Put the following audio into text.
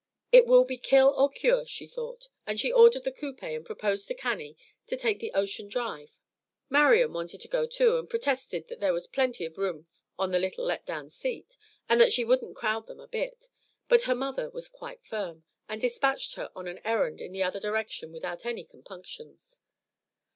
"It will be kill or cure," she thought, as she ordered the coupé and proposed to Cannie to take the ocean drive. Marian wanted to go too, and protested that there was plenty of room on the little let down seat, and that she wouldn't crowd them a bit; but her mother was quite firm, and despatched her on an errand in the other direction without any compunctions.